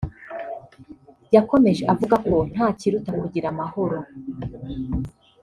yakomeje avuga ko nta kiruta kugira amahoro